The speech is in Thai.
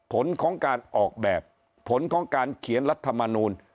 ผลของการออกแบบผลของการเขียนรัฐมนูล